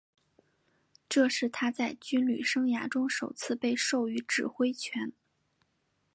这是他在军旅生涯中首次被授予指挥权。